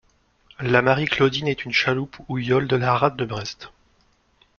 La Marie-Claudine est une chaloupe ou yole de la rade de Brest.